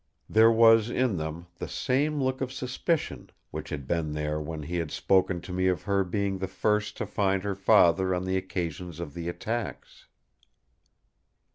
There was in them the same look of suspicion which had been there when he had spoken to me of her being the first to find her father on the occasions of the attacks.